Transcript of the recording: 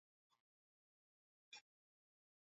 vita vikuu vya kwanza vya dunia viliisha